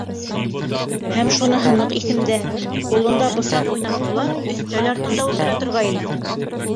Һәм шуныһы ныҡ иҫемдә: ҡулында бысаҡ уйнатҡылап, өҫтәл артында ултыра торғайны.